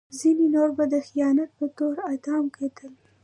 ځینې نور به د خیانت په تور اعدام کېدل.